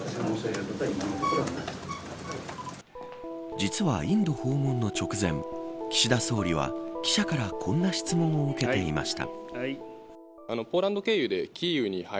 実はインド訪問の直前岸田総理は、記者からこんな質問を受けていました。